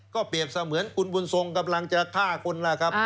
เปรียบเสมือนคุณบุญทรงกำลังจะฆ่าคนล่ะครับ